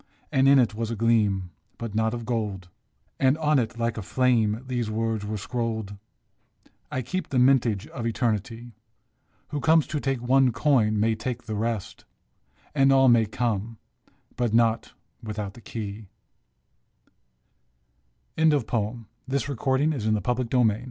And in it was a gleam, but not of gold ; And on it, like a flame, these words were scrolled :" I keep the mintage of Eternity. Who comes to take one coin may take the rest, And all may come — but not without the key/' ERASMUS When he protested, not too solemnly.